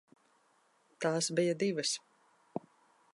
Tās bija divas.